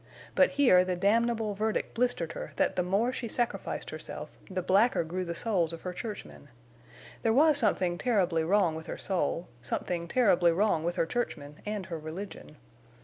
But here the damnable verdict blistered her that the more she sacrificed herself the blacker grew the souls of her churchmen. There was something terribly wrong with her soul, something terribly wrong with her churchmen and her religion.